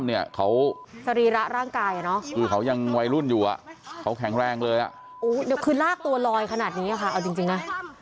เดี๋ยวคือลากตัวลอยขนาดนี้ค่ะเอาจริงน่ะ